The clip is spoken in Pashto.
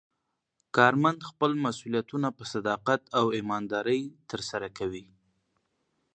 کارمند خپل مسوولیتونه په صداقت او ایماندارۍ ترسره کوي